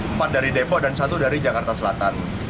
empat dari depok dan satu dari jakarta selatan